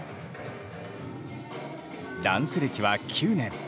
ダンス歴は９年。